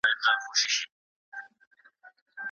دا کېلو دئ.